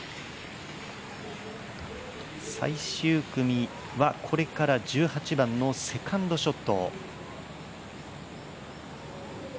最終組は、これから１８番のセカンドショット。